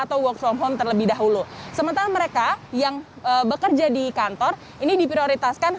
atau work from home terlebih dahulu sementara mereka yang bekerja di kantor ini diprioritaskan